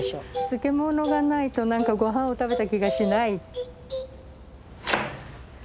漬物がないと何かごはんを食べた気がしない。